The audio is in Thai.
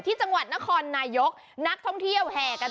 ที่จังหวัดนครนายกนักท่องเที่ยวแห่กัน